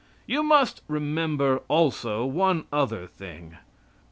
You must remember, also, one other thing.